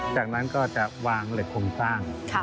จากนั้นก็จะวางเหล็กโครงสร้าง